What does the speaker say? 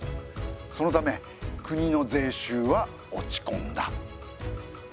そのため国の税収は落ち込んだ。